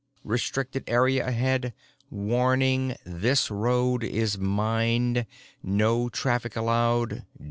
RESTRICTED AREA AHEAD WARNING: THIS ROAD IS MINED NO TRAFFIC ALLOWED!